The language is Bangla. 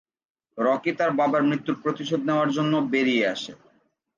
রকি তার বাবার মৃত্যুর প্রতিশোধ নেওয়ার জন্য বেরিয়ে আসে।